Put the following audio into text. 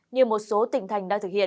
như một số tỉnh thành đang thực hiện